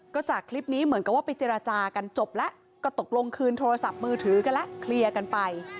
ก็จากคลิปนี้เหมือนกับว่าไปเจรจากันจบแล้วก็ตกลงคืนโทรศัพท์มือถือกันแล้วเคลียร์กันไป